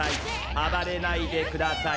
あばれないでください！